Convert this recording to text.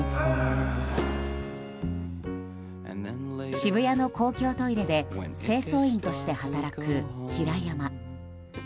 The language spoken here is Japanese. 渋谷の公共トイレで清掃員として働く平山。